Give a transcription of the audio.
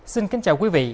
xin kính chào quý vị